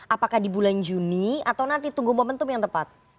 apakah di bulan juni atau nanti tunggu momentum yang tepat